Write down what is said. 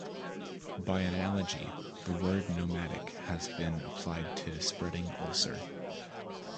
By analogy, the word nomadic has been applied to spreading ulcer.